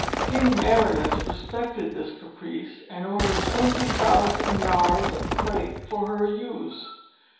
King Merinous respected this caprice, and ordered twenty thousand yards of crape for her use.